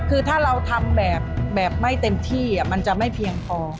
คือถ้าเราทำแบบไม่เต็มที่มันจะไม่เพียงพอ